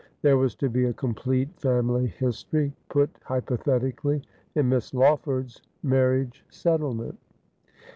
There was to be a complete family history, put hypothetically, in Miss Lawford's marriage settlement.